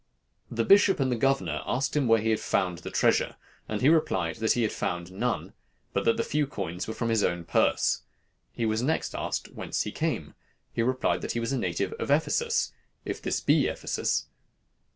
"The bishop and the governor asked him where he had found the treasure, and he replied that he had found none, but that the few coins were from his own purse. He was next asked whence he came. He replied that he was a native of Ephesus, 'if this be Ephesus.'